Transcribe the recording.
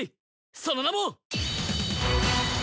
その名も。